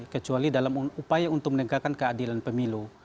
kecuali dalam upaya untuk menegakkan keadilan pemilu